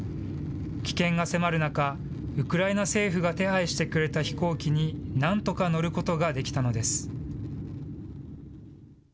危険が迫る中、ウクライナ政府が手配してくれた飛行機に、なんとか乗ることができたのです。